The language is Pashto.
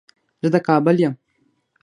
زه د کابل يم